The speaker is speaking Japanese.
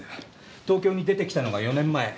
東京に出てきたのが４年前。